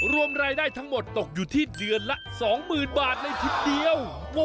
รวมรายได้ทั้งหมดตกอยู่ที่เดือนละ๒๐๐๐บาทเลยทีเดียว